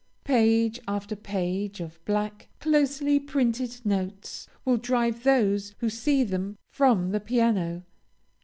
Page after page of black, closely printed notes, will drive those who see them from the piano.